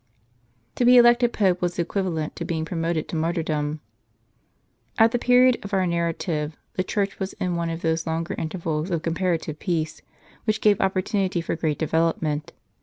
To be elected Pope was equivalent to being promoted to martyrdom. At the period of our narrative, the Church was in one of those longer intervals of comparative peace, w^hich gave opportunity for great development.